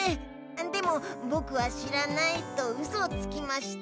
でも「僕は知らない」とウソをつきまして。